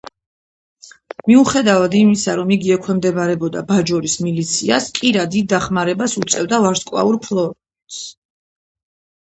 მიუხედავად იმისა რომ იგი ექვემდებარებოდა ბაჯორის მილიციას, კირა დიდ დახმარებას უწევდა ვარსკვლავურ ფლოტს.